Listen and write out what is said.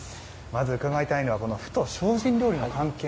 まず伺いたいのは麩と精進料理の関係。